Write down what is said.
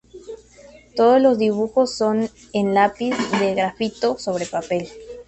Todos los dibujos son en lápiz de grafito sobre papel.